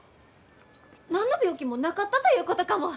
何の病気もなかったということかも！